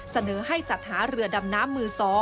เสนอให้จัดหาเรือดำน้ำมือ๒